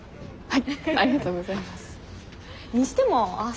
はい。